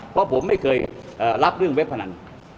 เพราะผมไม่เคยรับเรื่องเว็บพนัน